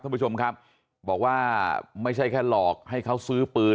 ท่านผู้ชมครับบอกว่าไม่ใช่แค่หลอกให้เขาซื้อปืน